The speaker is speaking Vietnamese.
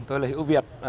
tôi là hữu việt